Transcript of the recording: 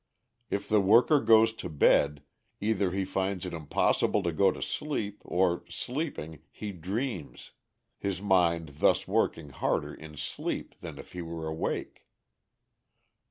If the worker goes to bed, either he finds it impossible to go to sleep or sleeping he dreams, his mind thus working harder in sleep than if he were awake.